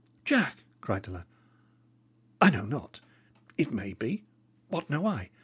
"Jack," cried the lad "I know not. It may be; what know I?